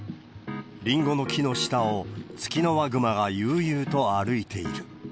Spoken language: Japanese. リンゴの木の下をツキノワグマが悠々と歩いている。